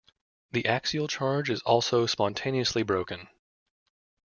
The axial charge is also spontaneously broken.